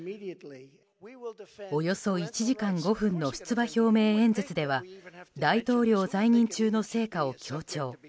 およそ１時間５分の出馬表明演説では大統領在任中の成果を強調。